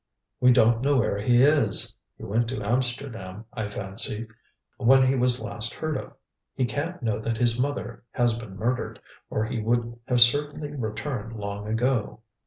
"We don't know where he is. He went to Amsterdam, I fancy, when he was last heard of. He can't know that his mother has been murdered, or he would have certainly returned long ago."